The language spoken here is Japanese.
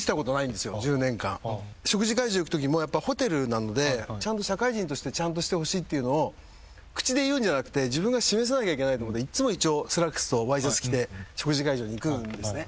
食事会場行くときもホテルなのでちゃんと社会人としてちゃんとしてほしいっていうのを口で言うんじゃなくて自分が示さなきゃいけないと思っていつも一応スラックスとワイシャツ着て食事会場に行くんですね。